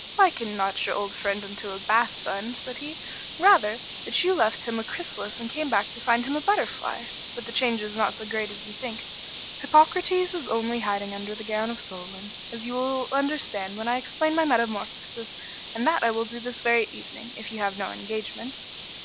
"Liken not your old friend unto a Bath bun," said he. "Say, rather, that you left him a chrysalis and come back to find him a butterfly. But the change is not so great as you think. Hippocrates is only hiding under the gown of Solon, as you will understand when I explain my metamorphosis; and that I will do this very evening, if you have no engagement."